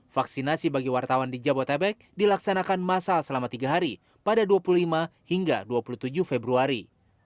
vaksinasi bagi wartawan di jabodetabek dilaksanakan masal selama tiga hari pada dua puluh lima hingga dua puluh tujuh februari